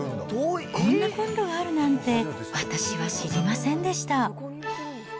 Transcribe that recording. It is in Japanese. こんなコンロあるなんて、私は知りませんでした。